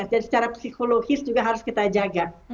jadi secara psikologis juga harus kita jaga